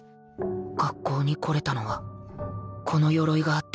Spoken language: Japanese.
学校に来れたのはこの鎧があったから